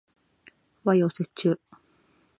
和洋折衷